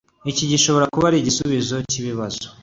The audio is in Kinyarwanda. Iki gishobora kuba igisubizo cyikibazo.